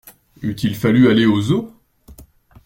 Eût-il fallu aller au zoo?